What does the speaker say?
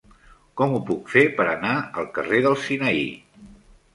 Com ho puc fer per anar al carrer del Sinaí?